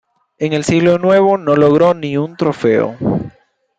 En el siglo nuevo no logró ni un trofeo.